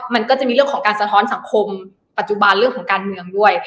มันก็จะมีเรื่องของการสะท้อนสังคมปัจจุบันเรื่องของการเมืองด้วย